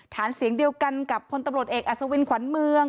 ฐานเสียงเดียวกันกับพลตำรวจเอกอัศวินขวัญเมือง